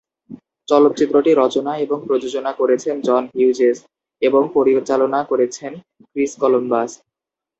চলচ্চিত্রটি রচনা এবং প্রযোজনা করেছেন জন হিউজেস এবং পরিচালনা করেছেন ক্রিস কলম্বাস।